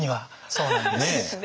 そうなんです。